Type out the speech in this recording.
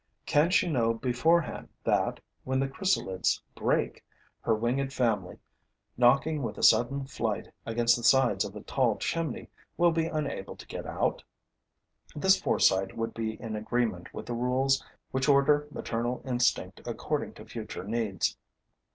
Can she know beforehand that, when the chrysalides break, her winged family, knocking with a sudden flight against the sides of a tall chimney, will be unable to get out? This foresight would be in agreement with the rules which order maternal instinct according to future needs.